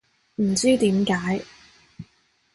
唔知點解